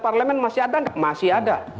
parlemen masih ada masih ada